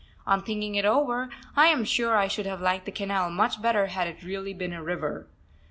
On thinking it over I am sure I should have liked the canal much better had it really been a river.